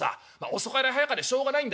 遅かれ早かれしょうがないんだ。